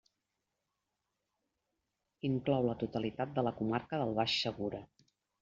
Inclou la totalitat de la comarca del Baix Segura.